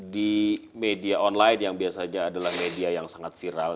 di media online yang biasanya adalah media yang sangat viral